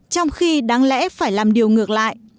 trong khi đáng lẽ phải làm điều ngược lại